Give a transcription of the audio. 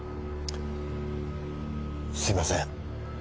すみません